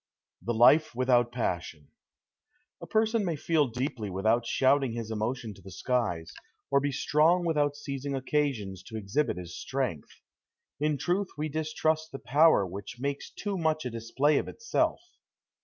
THE LIFE WITHOUT PASSION A person may feel deeply without shouting his emotion to the skies, or be strong without seizing occasions to exhibit his strength. In truth we distrust the power which makes too much a display of itself.